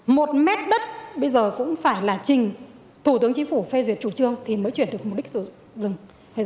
một mét đất bây giờ cũng phải là trình thủ tướng chính phủ phê duyệt chủ trương thì mới chuyển được mục đích sử dụng rừng